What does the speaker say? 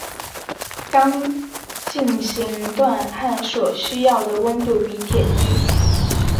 钢进行锻焊所需要的温度比铁低。